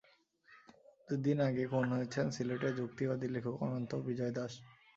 দুই দিন আগে খুন হয়েছেন সিলেটের যুক্তিবাদী লেখক অনন্ত বিজয় দাশ।